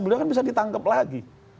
beliau kan bisa ditangkap lagi